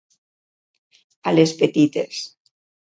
A les petites.